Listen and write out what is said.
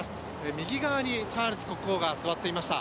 右側にチャールズ国王が座っていました。